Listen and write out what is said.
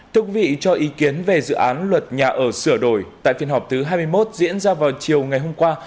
thưa quý vị cho ý kiến về dự án luật nhà ở sửa đổi tại phiên họp thứ hai mươi một diễn ra vào chiều ngày hôm qua